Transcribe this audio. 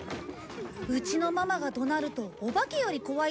うちのママが怒鳴るとお化けより怖いってことだな。